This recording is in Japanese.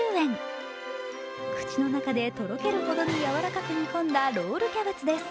口の中でとろけるほどに柔らかく煮込んだロールキャベツです。